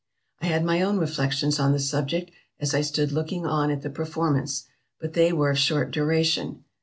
" I had my own reflections on the subject as I stood looking on at the performance, but they were of short duration.